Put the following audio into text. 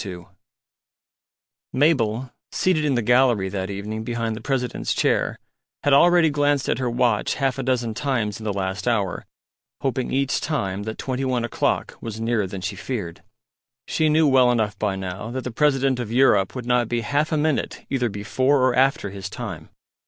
II Mabel, seated in the gallery that evening behind the President's chair, had already glanced at her watch half a dozen times in the last hour, hoping each time that twenty one o'clock was nearer than she feared. She knew well enough by now that the President of Europe would not be half a minute either before or after his time.